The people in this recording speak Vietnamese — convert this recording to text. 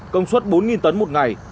công suất bốn nghìn tấn một ngày